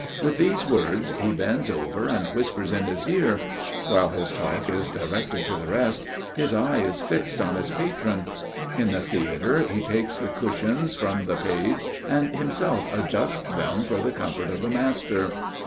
With these words he bends over and whispers in his ear. While his talk is directed to the rest, his eye is fixed on his patron. In the theatre he takes the cushions from the page and himself adjusts them for the comfort of the master.